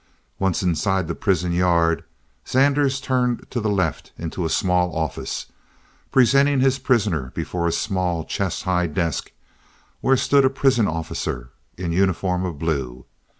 Once inside the prison yard, Zanders turned to the left into a small office, presenting his prisoner before a small, chest high desk, where stood a prison officer in uniform of blue.